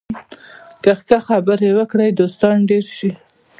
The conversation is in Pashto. که ښه خبرې وکړې، دوستان ډېر شي